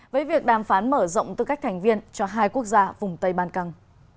với việc đàm phán mở rộng tư cách thành viên cho hai quốc gia vùng tây ban căng